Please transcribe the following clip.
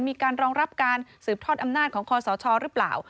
มีการรองรับการสืบทอดอำนาจของคอสชหรือเปล่า